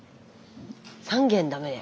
３軒駄目で。